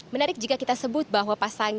menarik jika kita sebut bahwa pasangan